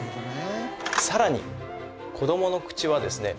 さらに子どもの口はですね